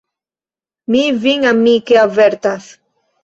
Mi vin amike avertas.